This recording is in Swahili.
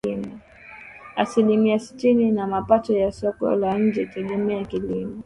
Asilimia Sitini ya mapato ya soko la nje hutegemea kilimo